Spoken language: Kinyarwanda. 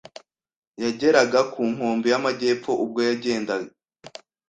yageraga ku nkombe y’amajyepfo ubwo yagenda